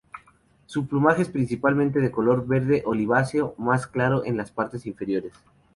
Su plumaje es principalmente de color verde oliváceo, más claro en las partes inferiores.